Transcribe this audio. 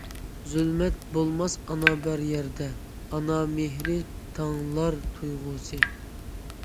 زۇلمەت بولماس ئانا بار يەردە، ئانا مېھرى- تاڭلار تۇيغۇسى.